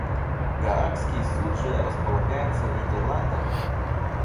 Гаагский Суд же располагается в Нидерландах?